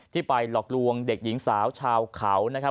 ที่ไปหลอกลวงเด็กหญิงสาวชาวเขา